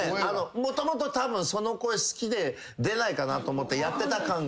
もともとたぶんその声好きで出ないかなと思ってやってた感が。